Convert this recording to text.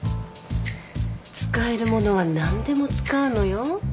使えるものは何でも使うのよ。